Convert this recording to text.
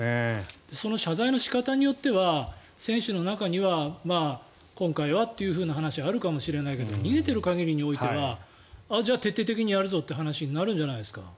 その謝罪の仕方によっては選手の中には今回はという話があるかもしれないけど逃げている限りにおいてはじゃあ、徹底的にやるぞという話になるんじゃないですか？